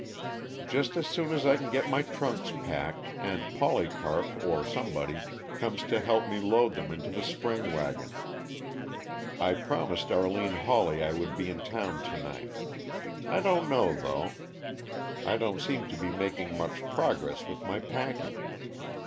"Just as soon as I can get my trunks packed, and Polycarp or somebody comes to help me load them into the spring wagon. I promised Arline Hawley I would be in town to night. I don't know, though I don't seem to be making much progress with my packing."